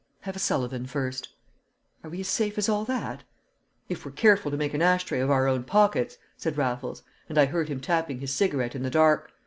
"Have a Sullivan, first." "Are we as safe as all that?" "If we're careful to make an ash tray of our own pockets," said Raffles, and I heard him tapping his cigarette in the dark.